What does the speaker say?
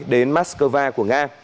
đến mascova của nga